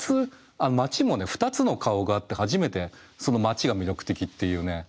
街も２つの顔があって初めてその街が魅力的っていうね。